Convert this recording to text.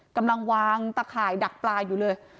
กำลังวางตะข่ายดักปลาอยู่เลย